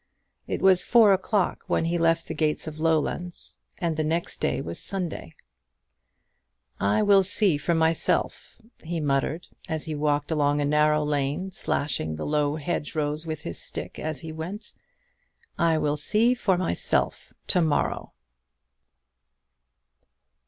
It was four o'clock when he left the gates of Lowlands, and the next day was Sunday. "I will see for myself," he muttered, as he walked along a narrow lane, slashing the low hedge rows with his stick as he went; "I will see for myself to morrow."